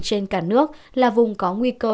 trên cả nước là vùng có nguy cơ